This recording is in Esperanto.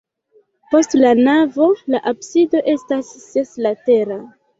Post la navo la absido estas seslatera.